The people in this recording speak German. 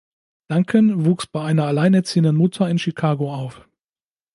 Duncan wuchs bei einer alleinerziehenden Mutter in Chicago auf.